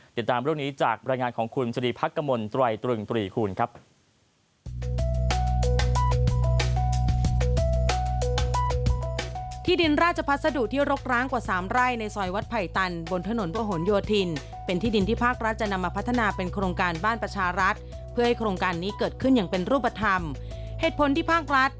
ติดตามเรื่องนี้จากบรรยายงานของคุณสรีพักกมลตรายตรึงตรีคูณครับ